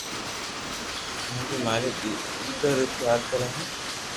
ھون بي ماري ئيتا ني پيار ڪرو ھون